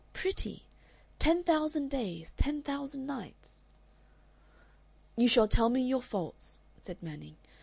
Pretty! Ten thousand days, ten thousand nights! "You shall tell me your faults," said Manning.